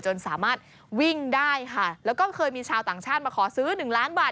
จนสามารถวิ่งได้ค่ะแล้วก็เคยมีชาวต่างชาติมาขอซื้อหนึ่งล้านบาท